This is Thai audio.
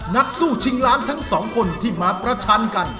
นักสู้ชิงล้านทั้งสองคนที่มาประชันกัน